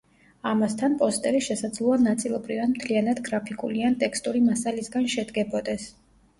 ამასთან, პოსტერი შესაძლოა ნაწილობრივ ან მთლიანად გრაფიკული ან ტექსტური მასალისგან შედგებოდეს.